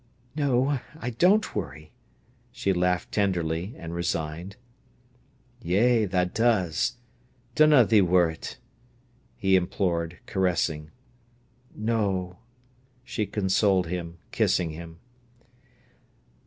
"No, I don't worry!" she laughed tenderly and resigned. "Yea, tha does! Dunna thee worrit," he implored, caressing. "No!" she consoled him, kissing him.